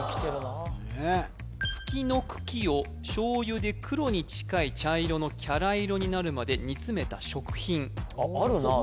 フキの茎を醤油で黒に近い茶色の伽羅色になるまで煮詰めた食品あるなあ